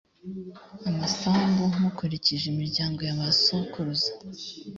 amasambu mukurikije imiryango ya ba sokuruza